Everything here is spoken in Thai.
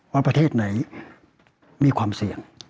ว่าประเทศไหนมีความเสี่ยง